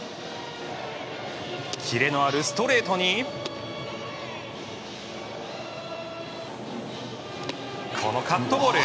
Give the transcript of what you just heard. キレのあるストレートにこのカットボール。